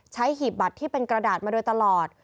หีบบัตรที่เป็นกระดาษมาโดยตลอด